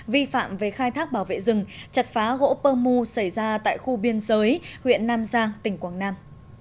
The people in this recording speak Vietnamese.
vi phạm về khai thác bảo vệ rừng chặt phá gỗ pơ mu xảy ra tại khu biên giới huyện nam giang tỉnh quảng nam